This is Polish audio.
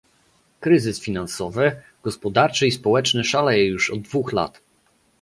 Kryzys finansowy, gospodarczy i społeczny szaleje już od dwóch lat